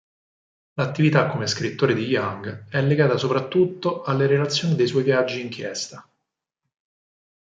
L'attività come scrittore di Young è legata soprattutto alle relazioni dei suoi viaggi-inchiesta.